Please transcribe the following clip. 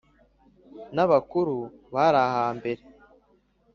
na bakuru bari hambere,